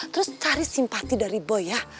terus cari simpati dari boy ya